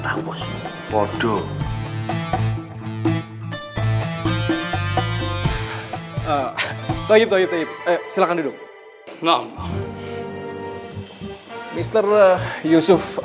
aku shoes abundan dari cut